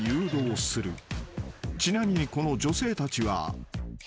［ちなみにこの女性たちは］